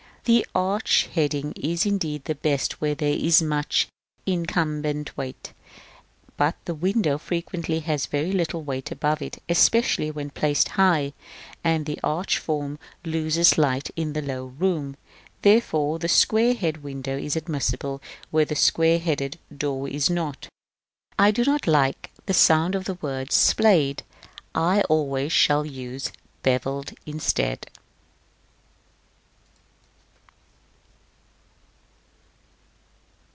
The arch heading is indeed the best where there is much incumbent weight, but a window frequently has very little weight above it, especially when placed high, and the arched form loses light in a low room: therefore the square headed window is admissible where the square headed door is not. I do not like the sound of the word "splayed;" I always shall use "bevelled" instead.